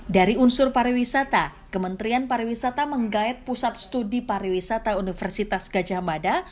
dari unsur pariwisata kementerian pariwisata menggayat pusat studi pariwisata universitas gajah mada